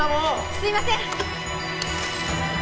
すいません！